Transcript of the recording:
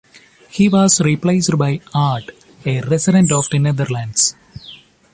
He was replaced by Ard, a resident of the Netherlands.